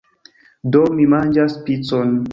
Do, mi manĝas picon!